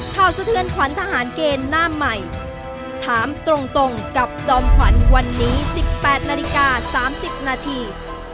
สะเทือนขวัญทหารเกณฑ์หน้าใหม่ถามตรงกับจอมขวัญวันนี้๑๘นาฬิกา๓๐นาที